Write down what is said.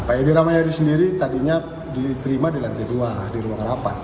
pak edi rahmayadi sendiri tadinya diterima di lantai dua di ruang rapat